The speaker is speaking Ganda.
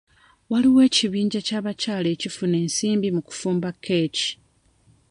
Waliwo ekibiinja ky'abakyala ekifuna ensimbi mu kufumba keeki.